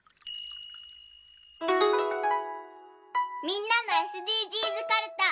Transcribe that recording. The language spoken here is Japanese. みんなのＳＤＧｓかるた。